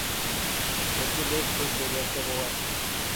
দেখতে বেশ সুন্দরী একটা বউ আছে।